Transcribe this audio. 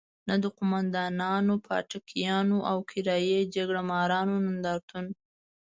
نه د قوماندانانو، پاټکیانو او کرايي جګړه مارانو نندارتون.